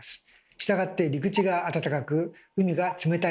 従って陸地があたたかく海が冷たい。